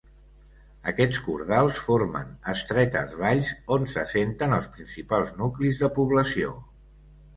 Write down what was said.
Aquests cordals formen estretes valls on s'assenten els principals nuclis de població.